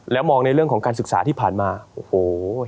แล้วมองในเรื่องของการศึกษาที่ผ่านมาโอ้โห